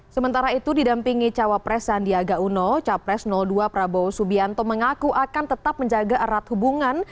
sementara itu didampingi cawapres sandiaga uno capres dua prabowo subianto mengaku akan tetap menjaga erat hubungan